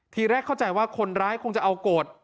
ทีแรกเข้าใจว่าคนร้ายคงจะเอาโกรธ